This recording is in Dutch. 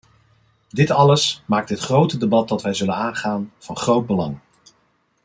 Dit alles maakt dit grote debat dat wij zullen aangaan van groot belang.